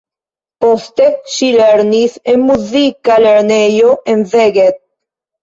Poste ŝi lernis en muzika lernejo en Szeged.